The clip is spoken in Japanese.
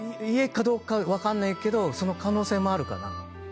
家かどうか分かんないけどその可能性もあるかな。